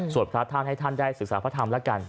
พระท่านให้ท่านได้ศึกษาพระธรรมแล้วกัน